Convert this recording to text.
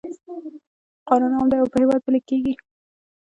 قانون عام دی او په هیواد پلی کیږي.